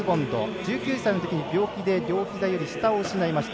１９歳のときに病気で両ひざより下を失いました。